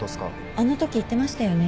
あのとき言ってましたよね？